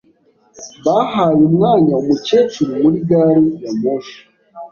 Bahaye umwanya umukecuru muri gari ya moshi.